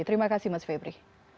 terima kasih mas febri